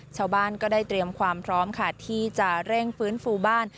ชาวบ้านก็ได้เตรียมความพร้อมค่ะที่จะเร่งฟื้นฟูบ้าน